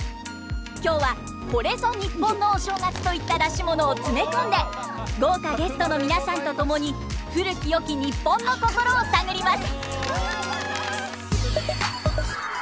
今日は「これぞにっぽんのお正月」といった出し物を詰め込んで豪華ゲストの皆さんと共に古きよき日本の心を探ります！